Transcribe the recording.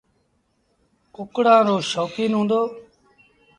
ڪُڪڙآن رو شوڪيٚن هُݩدو۔